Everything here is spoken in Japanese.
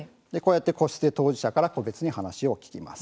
個室で当事者から個別に話を聞きます。